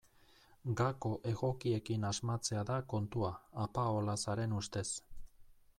Gako egokiekin asmatzea da kontua, Apaolazaren ustez.